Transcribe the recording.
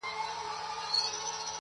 خدای په ژړا دی، خدای پرېشان دی.